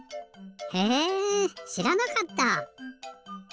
へえしらなかった！